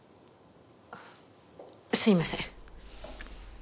すいません。